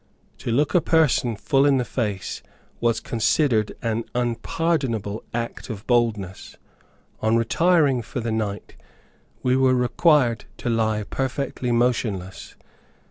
To look a person full in the face was considered an unpardonable act of boldness. On retiring for the night we were required to lie perfectly motionless.